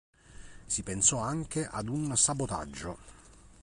Si pensò anche ad un sabotaggio.